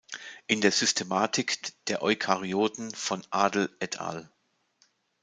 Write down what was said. In der Systematik der Eukaryoten von Adl et al.